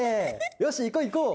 よしいこういこう！